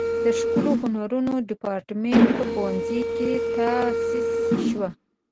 د ښکلو هنرونو دیپارتمنټ په پوهنځي کې تاسیس شو.